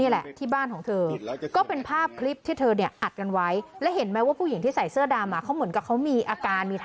แล้วก็จะไปเอารถ